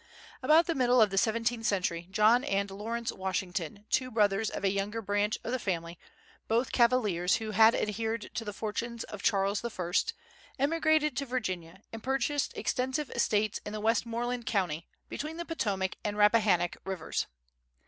About the middle of the seventeenth century John and Lawrence Washington, two brothers, of a younger branch of the family, both Cavaliers who had adhered to the fortunes of Charles I., emigrated to Virginia, and purchased extensive estates in Westmoreland County, between the Potomac and the Rappahannock rivers.